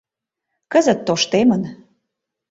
Кызыт тоштемын.